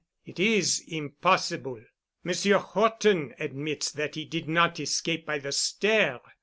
It is impossible. Monsieur Horton admits that he did not escape by the stair.